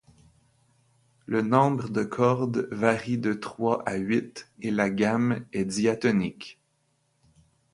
Le nombre de cordes varie de trois à huit et la gamme est diatonique.